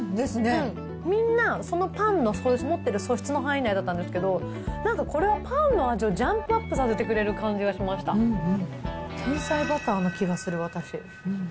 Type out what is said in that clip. みんな、そのパンの持ってる素質の範囲内だったんですけど、なんかこれはパンの味をジャンプアップさせてくれる感じがしましうんうん。